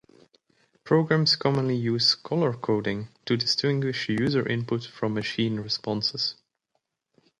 Programs commonly use color-coding to distinguish user input from machine responses.